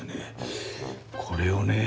これをね。